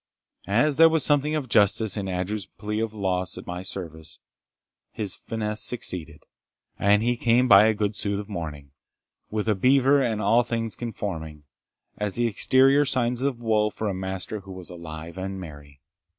As there was something of justice in Andrew's plea of loss in my service, his finesse succeeded; and he came by a good suit of mourning, with a beaver and all things conforming, as the exterior signs of woe for a master who was alive and merry.